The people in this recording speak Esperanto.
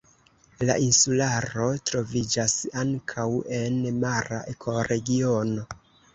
La insularo troviĝas ankaŭ en mara ekoregiono.